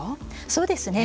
そうですね